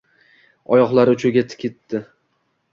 Oyoqlari uchiga tikiddi.